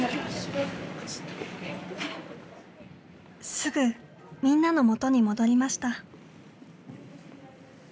すぐみんなの元に戻りました。